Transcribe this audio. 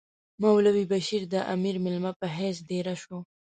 مولوی بشیر د امیر مېلمه په حیث دېره شو.